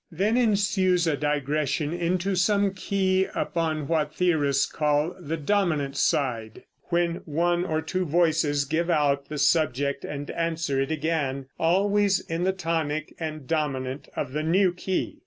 Then ensues a digression into some key upon what theorists call the dominant side, when one or two voices give out the subject and answer it again, always in the tonic and dominant of the new key.